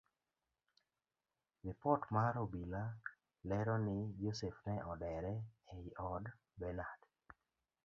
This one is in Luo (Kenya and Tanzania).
Lipot mar obila lero ni joseph ne odere ei od benard.